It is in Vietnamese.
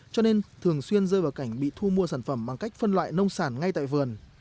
cho nên thường xuyên rơi vào cảnh bị thu mua sản phẩm bằng cách phân loại nông sản ngay tại vườn